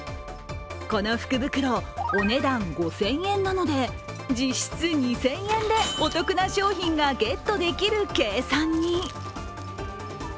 この福袋、お値段５０００円なので、実質２０００円でお得な商品がゲットできる計算に。